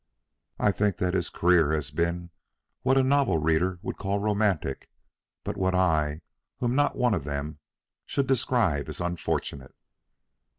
"I think that his career has been what the novel reader would call romantic; but what I, who am not one of them, should describe as unfortunate."